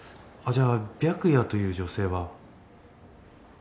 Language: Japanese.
あっじゃあ白夜という女性は？